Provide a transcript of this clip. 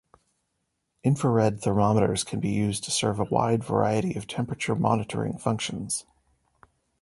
Infrared thermometers can be used to serve a wide variety of temperature monitoring functions.